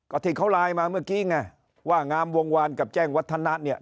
ก็ที่เขาไลน์มาเมื่อกี้ไงว่างามวงวานกับแจ้งวัฒนะเนี่ย